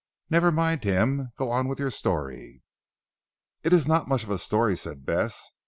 Never mind him. Go on with your story." "It is not much of a story," said Bess.